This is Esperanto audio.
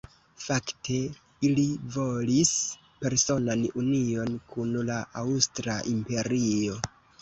Fakte ili volis personan union kun la Aŭstra Imperio.